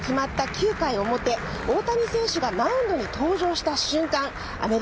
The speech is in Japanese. ９回表大谷選手がマウンドに登場した瞬間